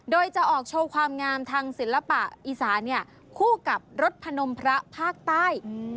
โดยจะออกโชว์ความงามทางศิลปะอีสานคู่กับรถพนมพระภาคใต้